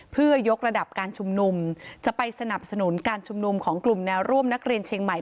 เพื่อยกระดับการชุมนุมจะไปสนับสนุนการชุมนุมของกลุ่มแนวร่วมนักเรียนเชียงใหม่